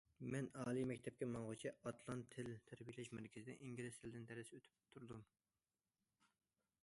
مەن ئالىي مەكتەپكە ماڭغۇچە« ئاتلان» تىل تەربىيەلەش مەركىزىدە ئىنگلىز تىلىدىن دەرس ئۆتۈپ تۇردۇم.